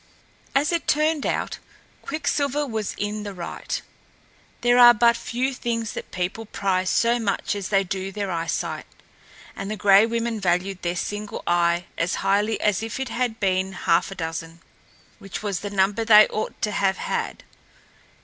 As it turned out, Quicksilver was in the right. There are but few things that people prize so much as they do their eyesight; and the Gray Women valued their single eye as highly as if it had been half a dozen, which was the number they ought to have had.